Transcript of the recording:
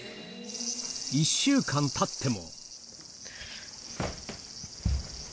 １週間たっても。